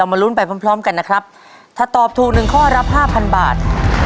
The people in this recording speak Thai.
ก็โชคดีตอบถูกทั้งหมดสี่ข้อรักขึ้นไปต่อชีวิตสูงสุดหนึ่งล้านบาท